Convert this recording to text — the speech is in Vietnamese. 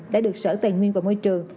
đã được sở tài nguyên vào môi trường